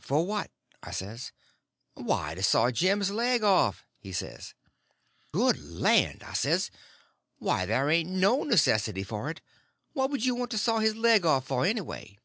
"For what?" I says. "Why, to saw Jim's leg off," he says. "Good land!" I says; "why, there ain't no necessity for it. And what would you want to saw his leg off for, anyway?"